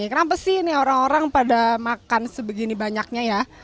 kenapa sih ini orang orang pada makan sebegini banyaknya ya